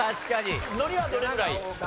ノリはどれぐらい？